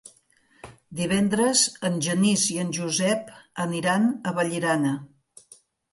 Divendres en Genís i en Josep aniran a Vallirana.